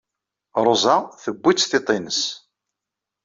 Ṛuza tewwi-tt tiṭ-nnes.